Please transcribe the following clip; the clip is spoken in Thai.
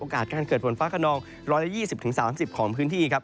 การเกิดฝนฟ้าขนอง๑๒๐๓๐ของพื้นที่ครับ